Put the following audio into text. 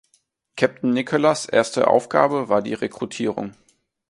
Captain Nicholas’ erste Aufgabe war die Rekrutierung.